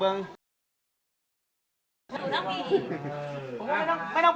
สวัสดีครับ